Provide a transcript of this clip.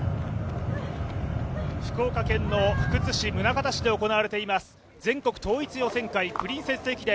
福岡県の福津市、宗像市で行われています、全国統一予選会「プリンセス駅伝」。